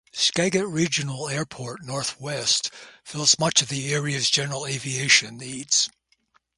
Skagit Regional Airport, northwest, fills much of the area's general aviation needs.